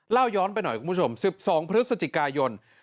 เล่าย้อนไปหน่อยคุณผู้ชม๑๒พฤศจิกายน